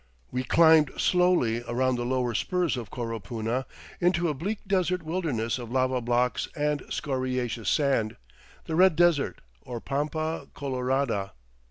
We climbed slowly around the lower spurs of Coropuna into a bleak desert wilderness of lava blocks and scoriaceous sand, the Red Desert, or Pampa Colorada.